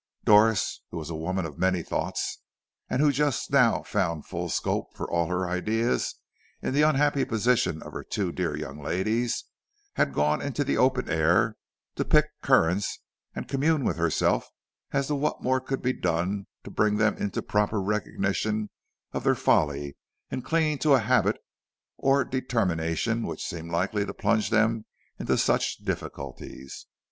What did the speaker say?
Doris, who was a woman of many thoughts, and who just now found full scope for all her ideas in the unhappy position of her two dear young ladies, had gone into the open air to pick currants and commune with herself as to what more could be done to bring them into a proper recognition of their folly in clinging to a habit or determination which seemed likely to plunge them into such difficulties.